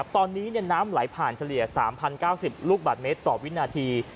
ตอนนี้น้ำไหลผ่านเฉลี่ย๓๐๙๐ลูกบาทเมตรต่อวินาที